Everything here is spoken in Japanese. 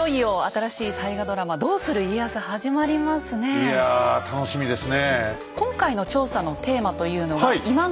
いや楽しみですね。